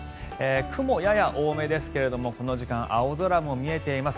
雲はやや多めですがこの時間、青空も見えています。